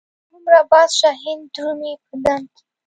هغه هومره باز شاهین درومي په دم کې.